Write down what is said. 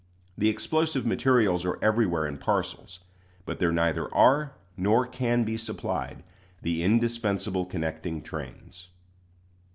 The explosive materials are everywhere in parcels; but there neither are, nor can be supplied, the indispensable connecting trains.